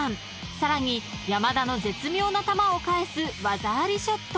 ［さらに山田の絶妙な球を返す技ありショット］